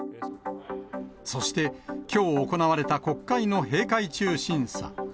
そして、きょう行われた国会の閉会中審査。